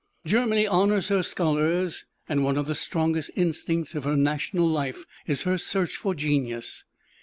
Germany honors her scholars; and one of the strongest instincts of her national life is her search for genius.